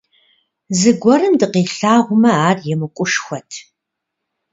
Зыгуэрым дыкъилъагъумэ, ар емыкӀушхуэт.